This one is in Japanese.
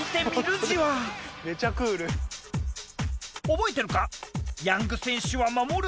⁉覚えてるか？